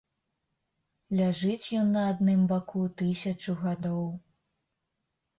Ляжыць ён на адным баку тысячу гадоў.